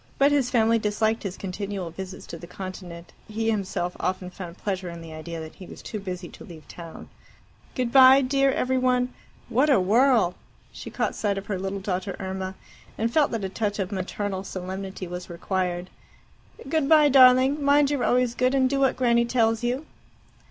But his family disliked his continual visits to the Continent, and he himself often found pleasure in the idea that he was too busy to leave town. "Good bye, dear every one. What a whirl!" She caught sight of her little daughter Irma, and felt that a touch of maternal solemnity was required. "Good bye, darling. Mind you're always good, and do what Granny tells you."